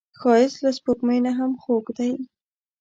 ښایست له سپوږمۍ نه هم خوږ دی